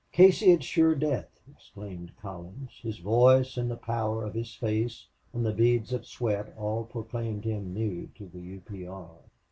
"Casey, it's sure death!" exclaimed Collins. His voice and the pallor of his face and the beads of sweat all proclaimed him new to the U. P. R.